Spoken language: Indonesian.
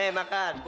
hah nih makan